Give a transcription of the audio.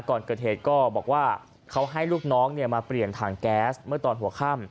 ก่อนเกิดเหตุก็บอกว่าเขาให้ลูกน้องมาเปลี่ยนถังแก๊สเมื่อตอนหัวค่ำ